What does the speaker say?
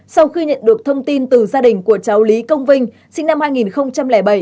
sau khi nhận được thông tin từ gia đình của cháu lý công vinh sinh năm hai nghìn bảy